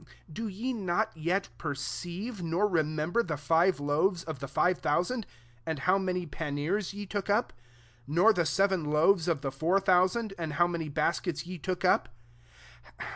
9 Do ye not yet perceive; nor remember the fire loaves of the five thousand, and how many panniers ye took up ? 10 nor the seven loaves of the four thousand, and how many baskets ye took up